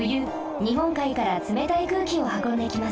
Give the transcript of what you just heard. にほんかいからつめたいくうきをはこんできます。